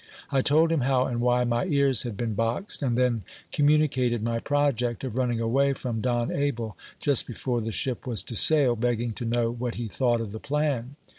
I told him how and why my ears had been boxed, and then communicated my project of running away from Don Abel just before the ship was to sail, begging to know what he thought of the plan.